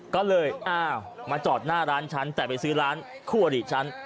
ก็เลยอ้าวมาจอดหน้าร้านฉันแต่ไปซื้อร้านคู่อริฉัน